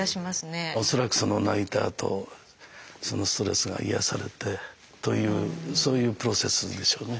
恐らくその泣いたあとそのストレスが癒やされてというそういうプロセスでしょうね。